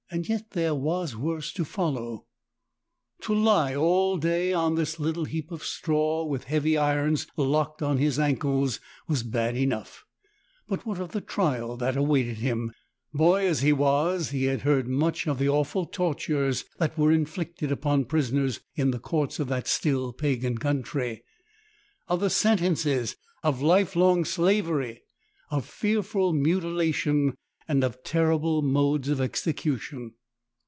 Yet there was worse to follow. To lie all day on his little heap of straw with heavy irons locked on his ankles was bad enough ; but what of the trial that was awaiting him ? Boy as he was, he had heard much of the awful tortures that were inflicted upon prisoners in the courts of that still pagan country, of the sentences of life long slavery, of fearful mutilation, and of terrible modes of execution.